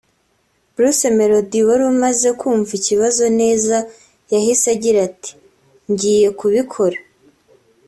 Bruce Melody wari umaze kumva ikibazo neza yahise agira ati “ Ngiye kubikora